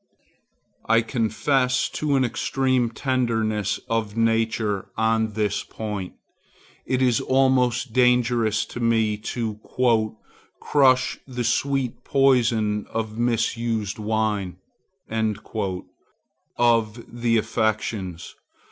I confess to an extreme tenderness of nature on this point. It is almost dangerous to me to "crush the sweet poison of misused wine" of the affections.